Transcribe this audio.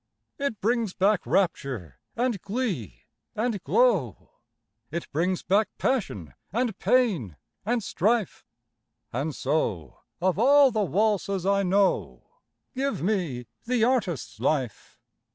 It brings back rapture and glee and glow, It brings back passion and pain and strife, And so of all the waltzes I know, Give me the "Artist's Life."